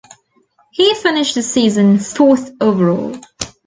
He finished the season fourth overall.